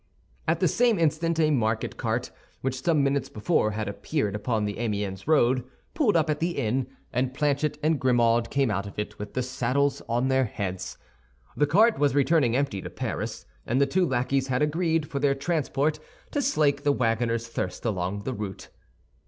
At the same instant a market cart, which some minutes before had appeared upon the Amiens road, pulled up at the inn, and Planchet and Grimaud came out of it with the saddles on their heads. The cart was returning empty to Paris, and the two lackeys had agreed, for their transport, to slake the wagoner's thirst along the route.